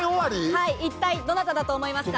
一体どなただと思いますか？